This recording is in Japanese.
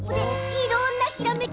いろんなひらめき？